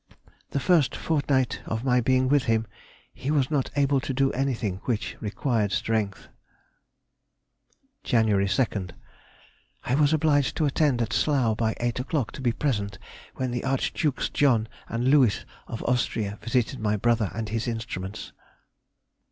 The first fortnight of my being with him he was not able to do anything which required strength. Jan. 2nd.—I was obliged to attend at Slough by eight o'clock, to be present when the Archdukes John and Louis of Austria visited my brother and his instruments.